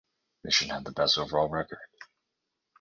Mission had the best overall record.